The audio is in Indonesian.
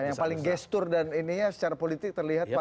yang paling gestur dan ininya secara politik terlihat paling